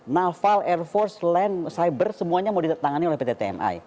naval air force land cyber semuanya mau ditangani oleh pt tmi